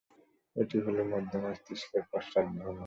এটি হল মধ্য মস্তিষ্কের পশ্চাৎ ভূমি।